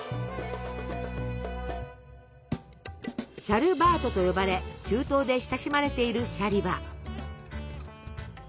「シャルバート」と呼ばれ中東で親しまれているシャリバ。